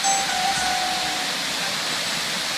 که ړوند ډاکټر په ګڼ ځای کي اوږده کیسه ونه کړي،